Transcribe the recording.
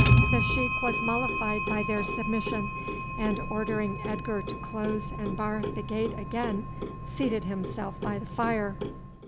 The sheik was mollified by their submission, and ordering Edgar to close and bar the gate again seated himself by the fire.